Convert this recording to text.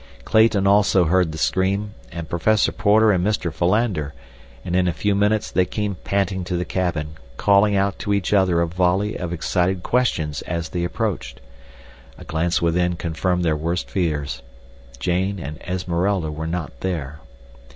Clayton, also, heard the scream, and Professor Porter and Mr. Philander, and in a few minutes they came panting to the cabin, calling out to each other a volley of excited questions as they approached. A glance within confirmed their worst fears. Jane and Esmeralda were not there.